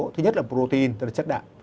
thứ nhất là protein tức là chất đạm